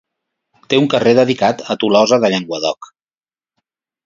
Té un carrer dedicat a Tolosa de Llenguadoc.